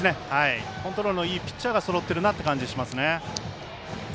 コントロールのいいピッチャーがそろってるなという感じがしますね。